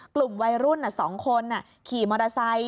กลุ่มวัยรุ่น๒คนขี่มอเตอร์ไซค